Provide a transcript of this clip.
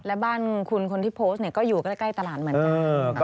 และบ้านคุณคนที่โพสต์ก็อยู่ใกล้ตลาดเหมือนกัน